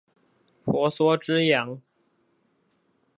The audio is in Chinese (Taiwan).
婆娑之洋